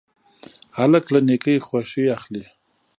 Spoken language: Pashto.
هلک له نیکۍ خوښي اخلي.